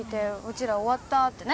ちら終わったってね。